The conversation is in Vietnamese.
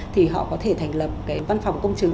thì họ có thể thành lập cái văn phòng công chứng